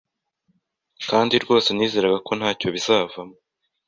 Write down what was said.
kandi rwose nizeraga ko ntacyo bizavamo